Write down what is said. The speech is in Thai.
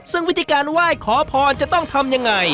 ซึ่งวิธีการไหว้ขอพรจะต้องทำยังไง